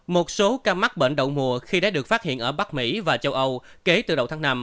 một số ca mắc bệnh đậu mùa khi đã được phát hiện ở bắc mỹ và châu âu kể từ đầu tháng năm